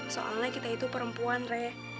soalnya kita itu perempuan reh